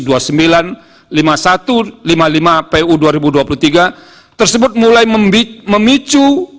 nomor dua puluh sembilan lima puluh satu lima puluh lima puu dua ribu dua puluh tiga tersebut mulai memicu